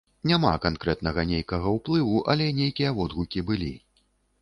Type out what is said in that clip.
Няма канкрэтна нейкага ўплыву, але нейкія водгукі былі.